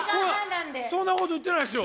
そんなこと言ってないですよ。